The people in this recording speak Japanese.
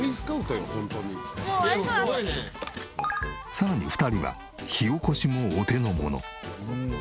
さらに２人は火おこしもお手のもの。